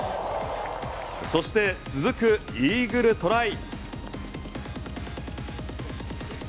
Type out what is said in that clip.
そして続くイーグルトライ。